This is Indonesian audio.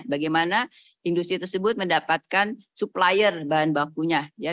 bagaimana industri tersebut mendapatkan supplier bahan bakunya